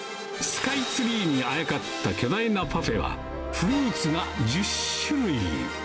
スカイツリーにあやかった巨大なパフェは、フルーツが１０種類。